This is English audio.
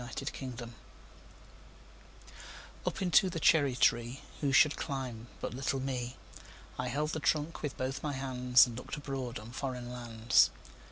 Foreign Lands UP into the cherry treeWho should climb but little me?I held the trunk with both my handsAnd looked abroad on foreign lands.